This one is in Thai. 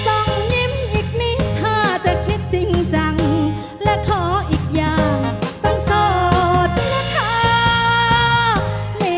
ต้องยิ้มอีกนิดถ้าจะคิดจริงจังและขออีกอย่างต้องโสดนะคะ